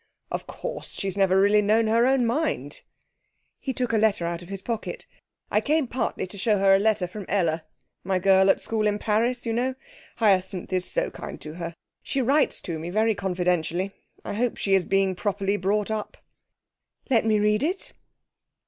'Of course, she's never really known her own mind.' He took a letter out of his pocket. 'I came partly to show her a letter from Ella my girl at school in Paris, you know. Hyacinth is so kind to her. She writes to me very confidentially. I hope she's being properly brought up!' 'Let me read it.'